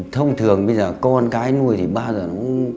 thông thường bây giờ con cái nuôi thì bao giờ nó